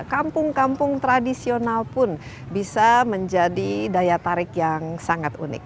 kampung kampung tradisional pun bisa menjadi daya tarik yang sangat unik